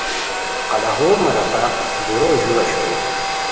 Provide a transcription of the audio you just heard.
قلاہور مراتاب دُورو ژور اوشوئے